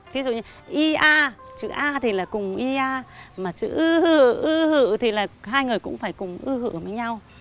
thí dụ như y a chữ a thì là cùng y a mà chữ ư hư thì là hai người cũng phải cùng ư hư với nhau